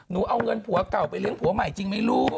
เอาเงินผัวเก่าไปเลี้ยงผัวใหม่จริงไหมลูก